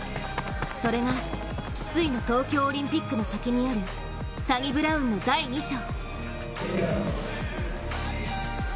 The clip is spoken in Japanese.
それが失意の東京オリンピックの先にある、サニブラウンの第２章。